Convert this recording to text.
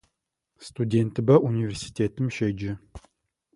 Студентыбэ унивэрситэтым щеджэ.